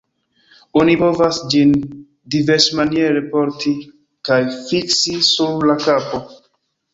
Oni povas ĝin diversmaniere porti kaj fiksi sur la kapo.